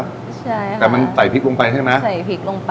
ใช่ค่ะใส่พริกลงไปใช่มั้ยใส่พริก